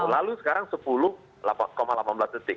lalu sekarang sepuluh delapan belas detik